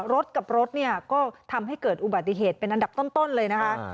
รถกับรถเนี่ยก็ทำให้เกิดอุบัติเหตุเป็นอันดับต้นเลยนะคะ